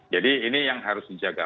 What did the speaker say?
jadi ini yang harus dijaga